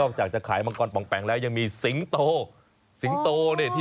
รวมจากจะขายมังกรปองแปงแล้วยังมีศิงโต